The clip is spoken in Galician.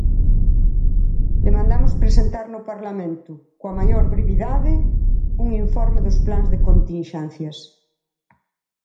Demandamos presentar no Parlamento, coa maior brevidade, un informe dos plans de continxencias.